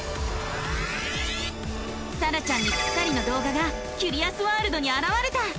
さらちゃんにぴったりの動画がキュリアスワールドにあらわれた！